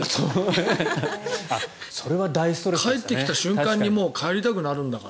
帰ってきた瞬間にもう帰りたくなるんだから。